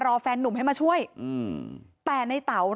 มีชายแปลกหน้า๓คนผ่านมาทำทีเป็นช่วยค่างทาง